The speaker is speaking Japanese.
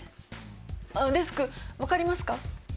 デスク分かりますか？